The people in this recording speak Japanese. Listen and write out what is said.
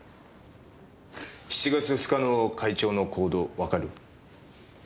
７月２日の会長の行動わかる？